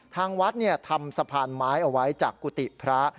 ทางวัดทำสะพานไม้เอาไว้จากกุฏิพระ